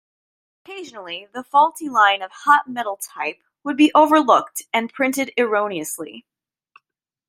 Occasionally the faulty line of hot-metal type would be overlooked and printed erroneously.